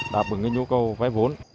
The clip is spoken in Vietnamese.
đáp ứng nhu cầu vay vốn